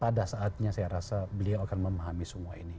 pada saatnya saya rasa beliau akan memahami semua ini